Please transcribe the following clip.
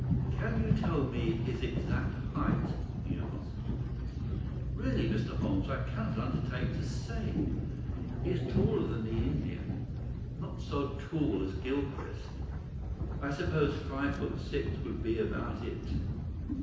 "Can you tell me his exact height?" he asked. "Really, Mr. Holmes, I cannot undertake to say. He is taller than the Indian, not so tall as Gilchrist. I suppose five foot six would be about it."